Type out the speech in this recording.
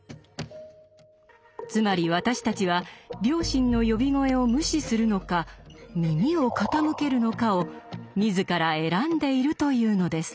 つまり私たちは「良心の呼び声」を無視するのか耳を傾けるのかを自ら選んでいるというのです。